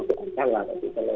itu bisa dengar